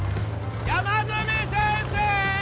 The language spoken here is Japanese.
山住先生！